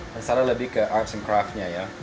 dan sarah lebih ke arts and craftnya ya